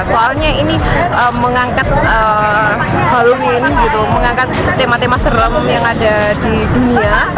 soalnya ini mengangkat baluhin mengangkat tema tema seramum yang ada di dunia